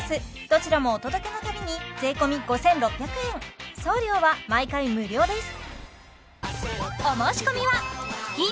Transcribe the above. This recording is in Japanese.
どちらもお届けのたびに税込５６００円送料は毎回無料です